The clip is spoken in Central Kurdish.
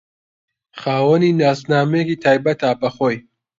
خاوەنی ناسنامەیەکی تایبەتە بە خۆی